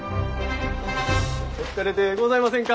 お疲れでございませんか？